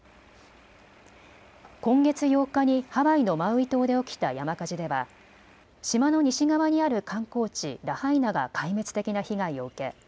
今月８日にハワイのマウイ島で起きた山火事では島の西側にある観光地ラハイナが壊滅的な被害を受け